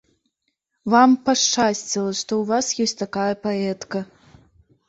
Вам пашчасціла, што ў вас ёсць такая паэтка.